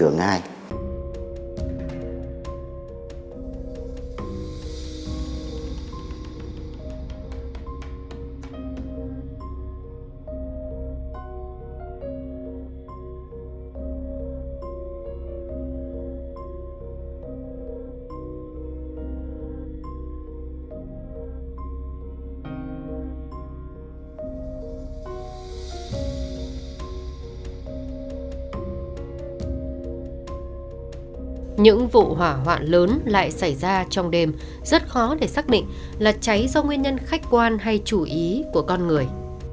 những vụ hỏa hoạn lớn lại xảy ra trong đêm rất khó để xác định là cháy do nguyên nhân khách quan hay chủ ý của con người